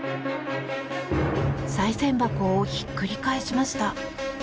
さい銭箱をひっくり返しました。